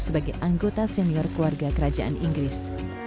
sebagai anggota senior keluarga kerajaan inggris